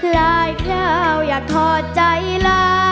ร้ายเคล้าอยากทอดใจละ